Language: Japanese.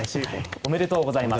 おめでとうございます！